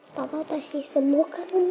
papa pasti sembuh karena mu